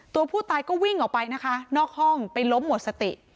ตัวผู้ตายก็วิ่งออกไปนะคะนอกห้องไปล้มหมดสติ